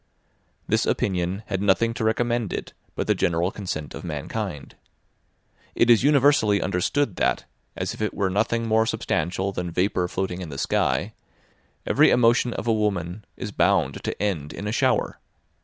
This opinion had nothing to recommend it but the general consent of mankind. It is universally understood that, as if it were nothing more substantial than vapour floating in the sky, every emotion of a woman is bound to end in a shower.